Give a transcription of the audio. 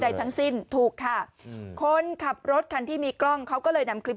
ทั้งสิ้นถูกค่ะคนขับรถคันที่มีกล้องเขาก็เลยนำคลิป